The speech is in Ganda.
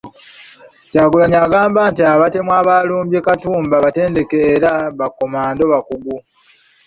Kyagulanyi agamba nti abatemu abalumbye Katumba batendeke era bakomando bakugu .